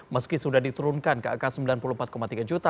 meski sudah diturunkan ke angka sembilan puluh empat tiga juta